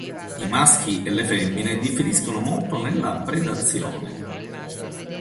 I maschi e le femmine differiscono molto nella predazione.